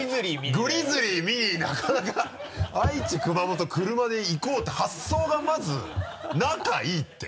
グリズリー見になかなか愛知・熊本車で行こうって発想がまず仲いいって。